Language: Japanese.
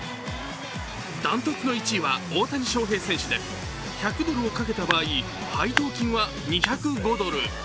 断トツの１位は大谷翔平選手で１００ドルを賭けた場合、配当金は２０５ドル。